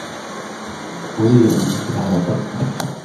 أريد أن أرسل هذا الطرد إلى كندا.